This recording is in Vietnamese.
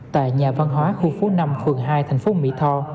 tại nhà văn hóa khu phố năm phường hai thành phố mỹ tho